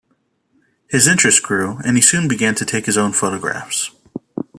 His interest grew, and he soon began to take his own photographs.